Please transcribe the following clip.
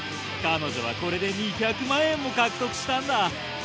彼女はこれで２００万円も獲得したんだ。